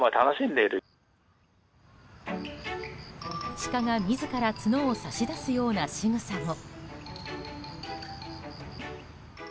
シカが自ら角を差し出すようなしぐさも。